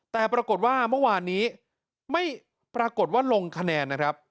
แต่ปรากฏว่าเมื่อวานนี้ไม่ปรากฏว่าลงคะแนนนะครับ